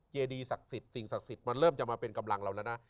เจดีศักดิ์สิทธิ์สิ่งศักดิ์สิทธิ์มันเริ่มจะมาเป็นกำลังเราแล้วนะ